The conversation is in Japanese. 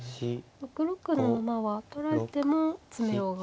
６六の馬は取られても詰めろが。